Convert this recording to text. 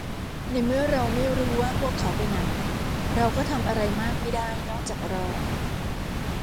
ในเมื่อเราไม่รู้ว่าพวกเขาไปไหน เราก็ทำอะไรมากไม่ได้นอกจากรอ